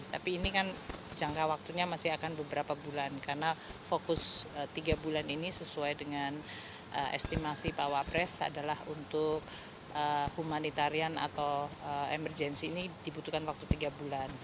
tapi ini kan jangka waktunya masih akan beberapa bulan karena fokus tiga bulan ini sesuai dengan estimasi pak wapres adalah untuk humanitarian atau emergensi ini dibutuhkan waktu tiga bulan